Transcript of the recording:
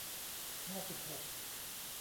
ห้าสิบหก